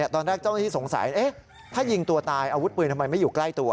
ตอนแรกเจ้าหน้าที่สงสัยถ้ายิงตัวตายอาวุธปืนทำไมไม่อยู่ใกล้ตัว